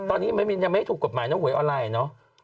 ตอนนี้ยังไม่ถูกกฎหมายนะหวยออนไลน์เนอะ